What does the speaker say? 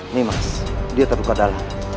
ini mas dia terluka dalam